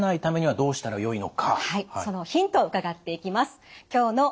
はいそのヒントを伺っていきます。